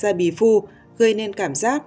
ra bì phu gây nên cảm giác